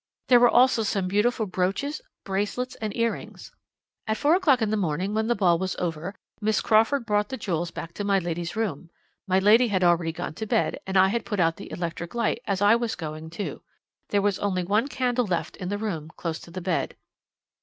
There were also some beautiful brooches, bracelets, and earrings. At four o'clock in the morning when the ball was over, Miss Crawford brought the jewels back to my lady's room. My lady had already gone to bed, and I had put out the electric light, as I was going, too. There was only one candle left in the room, close to the bed.